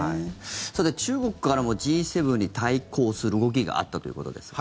中国からもＧ７に対抗する動きがあったということですが。